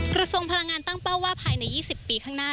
กระทรวงพลังงานตั้งเป้าว่าภายใน๒๐ปีข้างหน้า